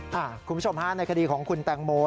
คุณผู้ชมฮะในคดีของคุณแตงโม